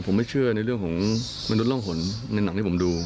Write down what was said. ผมไม่เชื่อในเรื่องของมนุษย์ร่องหนในหนังที่ผมดู